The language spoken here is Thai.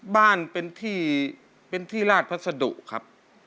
บ้านเป็นที่ลาดพัฒดุครับ